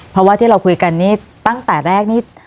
เพราะว่าที่เราคุยกันนี่ตั้งแต่แรกนี่